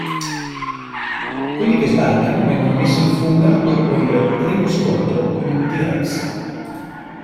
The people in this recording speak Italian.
Quelli che sbarcano vengono messi in fuga dopo il primo scontro con un T-rex.